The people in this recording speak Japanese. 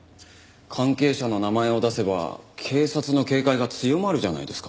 関係者の名前を出せば警察の警戒が強まるじゃないですか。